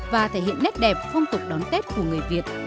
và thể hiện nét đẹp phong tục đón tết của người việt